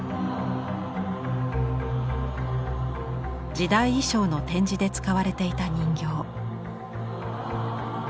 時代衣装の展示で使われていた人形。